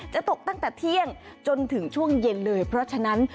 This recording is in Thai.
ตกตั้งแต่เที่ยงจนถึงช่วงเย็นเลยเพราะฉะนั้น